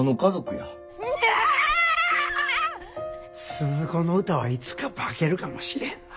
スズ子の歌はいつか化けるかもしれへんな。